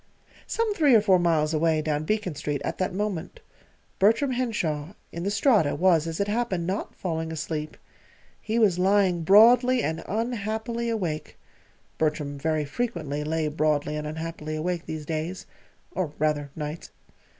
Some three or four miles away down Beacon Street at that moment Bertram Henshaw, in the Strata, was, as it happened, not falling asleep. He was lying broadly and unhappily awake Bertram very frequently lay broadly and unhappily awake these days or rather nights.